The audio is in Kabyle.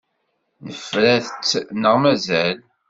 Nefra-tt neɣ mazal?